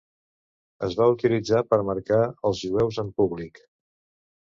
Es va utilitzar per marcar als jueus en públic.